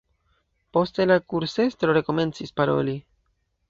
Poste la kursestro rekomencis paroli.